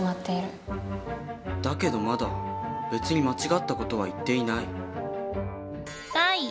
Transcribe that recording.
だけどまだ別に間違った事は言っていない。